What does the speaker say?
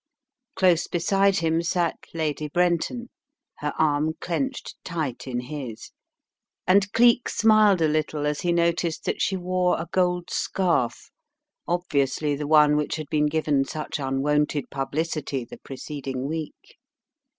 Close beside him sat Lady Brenton, her arm clenched tight in his, and Cleek smiled a little as he noticed that she wore a gold scarf — obviously the one which had been given such unwonted publicity the preceding week.